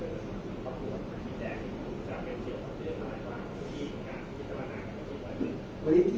แต่ว่าไม่มีปรากฏว่าถ้าเกิดคนให้ยาที่๓๑